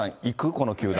この球団。